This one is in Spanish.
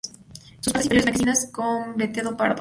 Sus partes inferiores blanquecinas con veteado pardo.